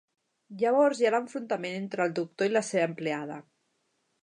Llavors hi ha l'enfrontament entre el doctor i la seva empleada.